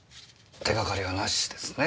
手がかりはなしですね。